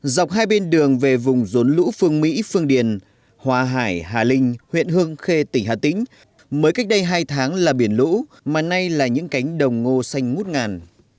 dọc hai bên đường về vùng rốn lũ phương mỹ phương điền hòa hải hà linh huyện hương khê tỉnh hà tĩnh mới cách đây hai tháng là biển lũ mà nay là những cánh đồng ngô xanh ngút ngàn